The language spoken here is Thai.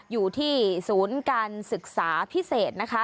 อยู่ที่ศูนย์การศึกษาพิเศษนะคะ